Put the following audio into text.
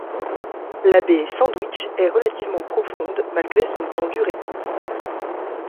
La baie Sandwich est relativement profonde malgré son étendue réduite.